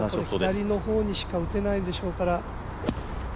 左の方にしか打てないでしょうから。